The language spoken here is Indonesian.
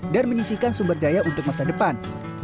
dan menyisihkan sumber daya untuk masa depan